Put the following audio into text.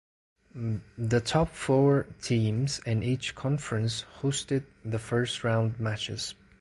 The top four teams in each conference hosted the first round matches.